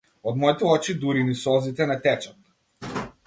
Од моите очи дури ни солзите не течат.